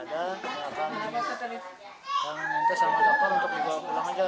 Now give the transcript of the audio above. minta sama dokter untuk bawa pulang saja